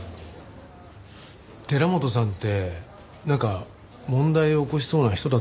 寺本さんってなんか問題起こしそうな人だったんですか？